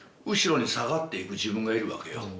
後ろに下がっていく自分がいるわけよ